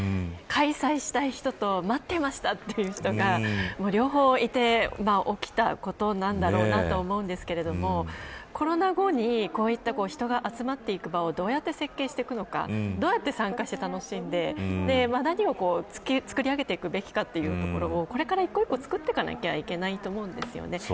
開催したい人と待っていましたという人が両方いて起きたことなんだろうなと思うんですがコロナ後にこういった人が集まっていく場をどうやって設計していくのか、どうやって参加して楽しんで何を作り上げていくべきかというところをこれから一個一個作っていかないといけないと思うんですよね。